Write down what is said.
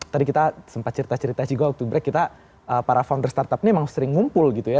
tadi kita sempat cerita cerita juga waktu break kita para founder startup ini emang sering ngumpul gitu ya